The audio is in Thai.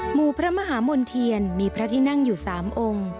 หมู่พระมหามณ์เทียนมีพระที่นั่งอยู่๓องค์